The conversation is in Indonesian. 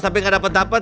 tapi gak dapet dapet